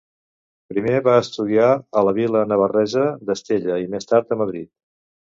Primer va estudiar a la vila navarresa d'Estella i més tard a Madrid.